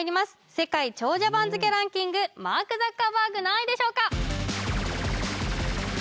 世界長者番付ランキングマーク・ザッカーバーグ何位でしょうか？